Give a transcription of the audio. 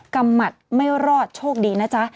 ำหมัดไม่รอดโชคดีนะจ๊ะ